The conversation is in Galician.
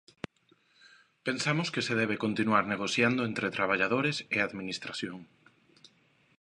Pensamos que se debe continuar negociando entre traballadores e Administración.